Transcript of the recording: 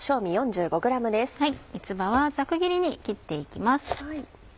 三つ葉はざく切りに切っていきます。